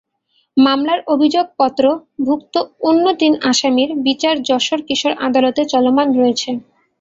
মামলার অভিযোগপত্রভুক্ত অন্য তিন আসামির বিচার যশোর কিশোর আদালতে চলমান রয়েছে।